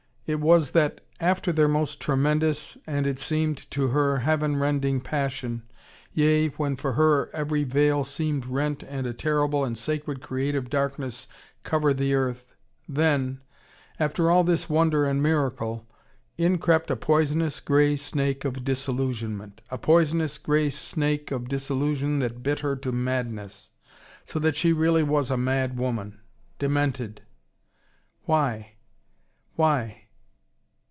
It was that, after their most tremendous, and, it seemed to her, heaven rending passion yea, when for her every veil seemed rent and a terrible and sacred creative darkness covered the earth then after all this wonder and miracle in crept a poisonous grey snake of disillusionment, a poisonous grey snake of disillusion that bit her to madness, so that she really was a mad woman, demented. Why? Why?